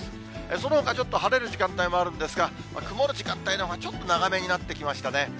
そのほかちょっと晴れる時間帯もあるんですが、曇る時間帯のほうがちょっと長めになってきましたね。